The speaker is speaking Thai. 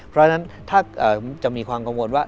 เพราะฉะนั้นถ้าจะมีความกังวลว่า